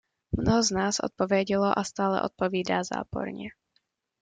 Mnoho z nás odpovědělo a stále odpovídá záporně.